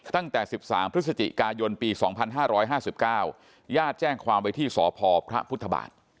ตั้งแต่๑๓พฤศจิกายนปี๒๕๕๙ญาติแจ้งความไปที่สพพบ